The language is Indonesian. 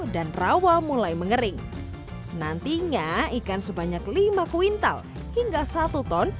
dan rawa mulai mengering nantinya ikan sebanyak lima kuintal hingga satu ton